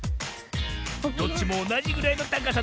どっちもおなじぐらいのたかさだ。